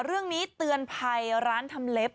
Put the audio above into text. เรื่องนี้เตือนภัยร้านทำเล็บ